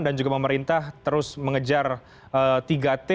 dan juga pemerintah terus mengejar tiga t ya